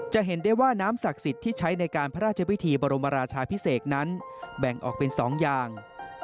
จะเห็นได้ว่าน้ำศักดิ์สิทธิ์ที่ใช้ในการพระราชวิธีบรมราชาพิเศษนั้นแบ่งออกเป็น๒อย่าง